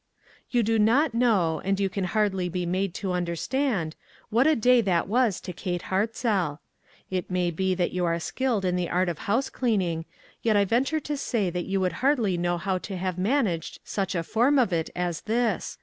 You do not know, and you can hardly be made to understand, what a day that was to Kate Hartzell. It may be that you are skilled in the art of housecleaning, yet I venture to say that you would hardly know how to have managed such a form of it as this.